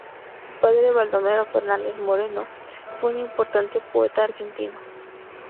Su padre Baldomero Fernández Moreno, fue un importante poeta argentino.